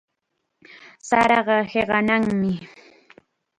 Saraqa hiqanaqmi.